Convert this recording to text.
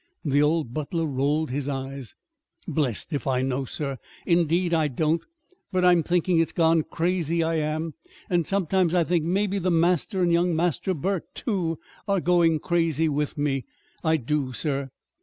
The old butler rolled his eyes. "Blest if I know, sir indeed, I don't. But I'm thinking it's gone crazy I am. And sometimes I think maybe the master and young Master Burke, too, are going crazy with me. I do, sir!"